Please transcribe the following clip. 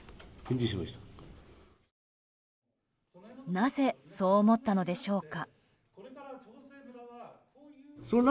なぜそう思ったのでしょうか？